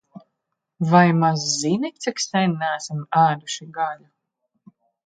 Vai maz zini, cik sen neesam ēduši gaļu?